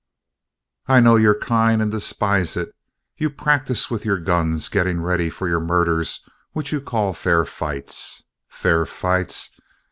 "I know your kind and despise it. You practice with your guns getting ready for your murders which you call fair fights. Fair fights!